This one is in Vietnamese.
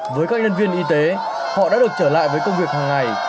với các nhân viên y tế họ đã được trở lại với công việc hàng ngày